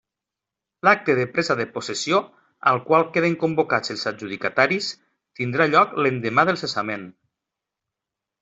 L'acte de presa de possessió, al qual queden convocats els adjudicataris, tindrà lloc l'endemà del cessament.